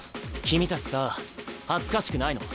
君たちさ恥ずかしくないの？